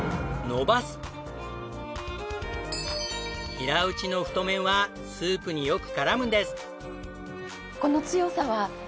平打ちの太麺はスープによく絡むんです。